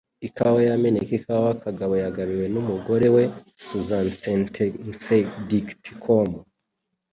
Ikawa yameneka ikawa Kagabo yagabiwe numugore we, Susansentencedictcom